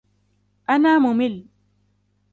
انا ممل.